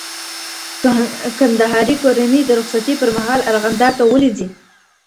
کندهاري کورنۍ د رخصتۍ پر مهال ارغنداب ته ولې ځي؟